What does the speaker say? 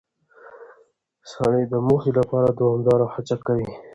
سړی د موخې لپاره دوامداره هڅه کوي